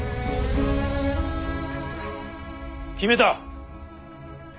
決めた。